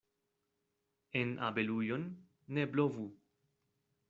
En abelujon ne blovu.